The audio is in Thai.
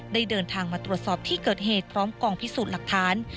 เดินทางมาตรวจสอบที่เกิดเหตุพร้อมกองพิสูจน์หลักฐาน